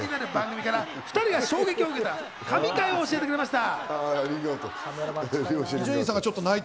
そして今回配信になる番組から２人が衝撃を受けた神回を教えてくれました。